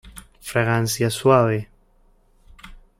Fragancia suave.